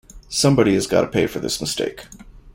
Somebody has got to pay for this mistake.